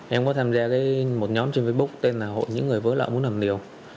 em có tham gia một nhóm trên facebook tên là hội những người vỡ nợ muốn làm liều